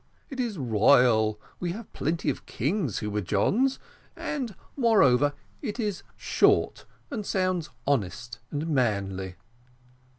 It is royal we have plenty of kings who were Johns and, moreover, it is short, and sounds honest and manly."